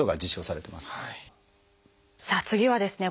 さあ次はですね